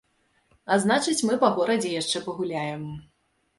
А значыць, мы па горадзе яшчэ пагуляем.